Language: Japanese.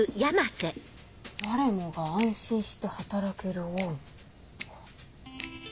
「誰もが安心して働けるオウミ」。